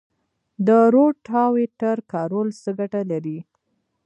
د روټاویټر کارول څه ګټه لري؟